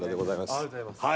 ありがとうございます。